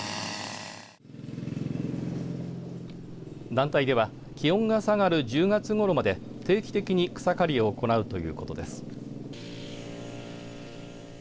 団体では気温が下がる１０月ごろまで定期的に草刈りを行うということです。